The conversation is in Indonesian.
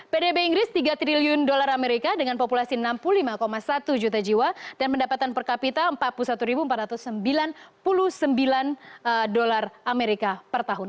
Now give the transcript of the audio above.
pdb inggris tiga triliun dolar amerika dengan populasi enam puluh lima satu juta jiwa dan pendapatan per kapita empat puluh satu empat ratus sembilan puluh sembilan dolar amerika per tahun